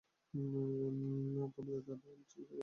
আর তোমার দাদা আমার চেয়ে বড়ো?